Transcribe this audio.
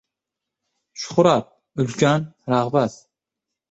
Shuhrat – ulkan rag‘bat.